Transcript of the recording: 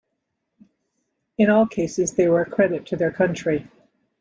In all cases they were a credit to their country.